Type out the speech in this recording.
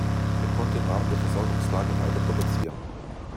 Er konnte im Rahmen der Versorgungslage weiter produzieren.